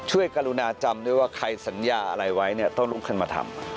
กรุณาจำด้วยว่าใครสัญญาอะไรไว้เนี่ยต้องลุกขึ้นมาทำ